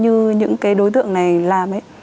như những đối tượng này làm